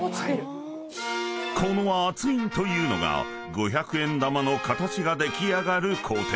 ［この圧印というのが５００円玉の形が出来上がる工程］